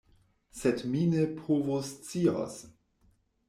Sed mi ne povoscios.